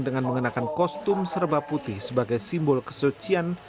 dengan mengenakan kostum serba putih sebagai simbol kesucian